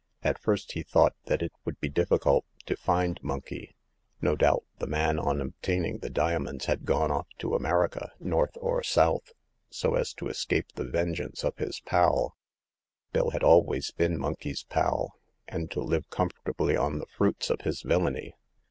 At first he thought that it would be difficult to find Monkey. No doubt the man on obtaining the diamonds had gone off to America, North or South, so as to escape the vengeance of his pal — Bill had always been Monkey's pal — and to live comfortably on the fruits of his villainy.